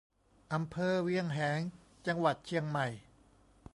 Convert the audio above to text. อำเภอเวียงแหง จังหวัดเชียงใหม่